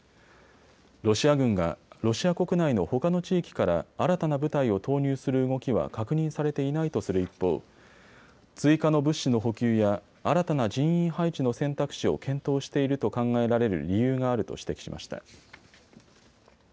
ロシア軍がロシア国内のほかの地域から新たな部隊を投入する動きは確認されていないとする一方、追加の物資の補給や新たな人員配置の選択肢を検討していると考えられる理由があると指摘しました。